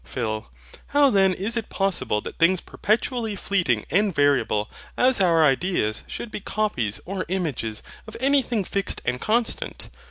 PHIL. How then is it possible that things perpetually fleeting and variable as our ideas should be copies or images of anything fixed and constant?